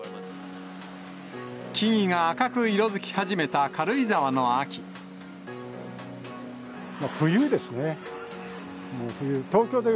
木々が赤く色づき始めた軽井冬ですね。